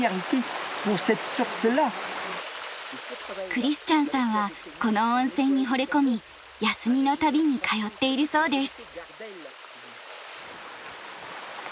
クリスチャンさんはこの温泉にほれ込み休みの度に通っているそうです。